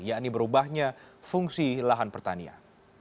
yakni berubahnya fungsi lahan pertanian